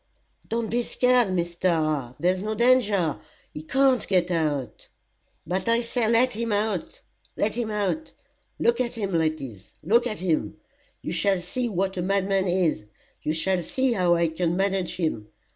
"Don't be scared, Mr. there's no danger he can't get out." "But I say let him out let him out. Look at him, ladies look at him. You shall see what a madman is you shall see how I can manage him.